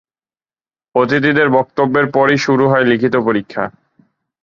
অতিথিদের বক্তব্যের পরই শুরু হয় লিখিত পরীক্ষা।